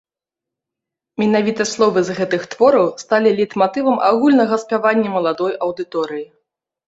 Менавіта словы з гэтых твораў сталі лейтматывам агульнага спявання маладой аўдыторыі.